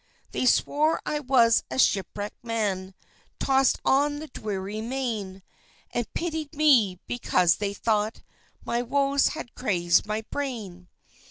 They swore I was a shipwrecked man, Tossed on the dreary main; And pitied me, because they thought My woes had crazed my brain.